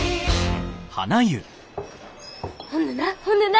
ほんでなほんでな。